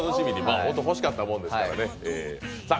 ほんと欲しかったものですからね。